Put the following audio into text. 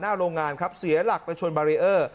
โรงงานครับเสียหลักไปชนบารีเออร์